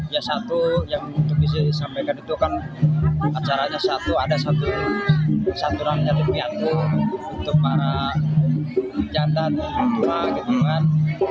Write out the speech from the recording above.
ya satu yang disampaikan itu kan acaranya satu ada satu saturan yatim piatu untuk para jantan jantan gitu kan